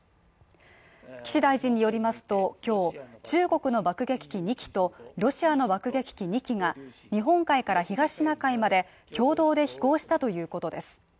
岸大臣によりますと、今日、中国の爆撃機２機とロシアの爆撃機２機が日本海から東シナ海まで共同で飛行したということです。